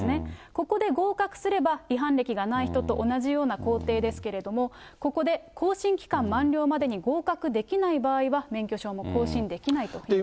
ここで合格すれば、違反歴がない人と同じような工程ですけれども、ここで更新期間満了までに合格できない場合は、免許証も更新できないということです。